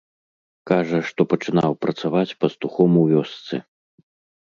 Кажа, што пачынаў працаваць пастухом у вёсцы.